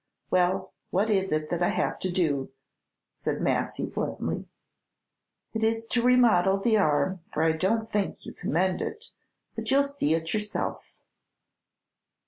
"Well, what is it that I have to do?" said Massy, bluntly. "It is to remodel the arm, for I don't think you can mend it; but you 'll see it yourself."